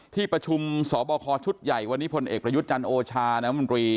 ที่ประชุมสบคชุดใหญ่วันนี้พลเอกประยุทธ์จันทร์โอชาน้ำมนตรี